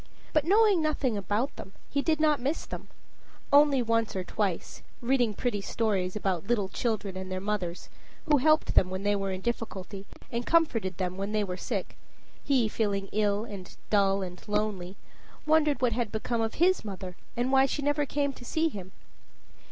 But, knowing nothing about them, he did not miss them only once or twice, reading pretty stories about little children and their mothers, who helped them when they were in difficulty and comforted them when they were sick, he feeling ill and dull and lonely, wondered what had become of his mother and why she never came to see him.